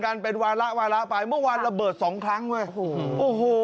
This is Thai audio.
การเป็นวาละวาละปลายเมื่อวานระเบิดสองครั้งเว้ยโอ้โห